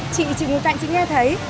chị chị ngồi cạnh chị nghe thấy